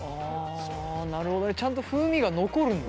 あなるほどね。ちゃんと風味が残るんだ。